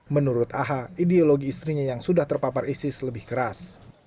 menurut aha ideologi istrinya yang sudah terpapar isis lebih keras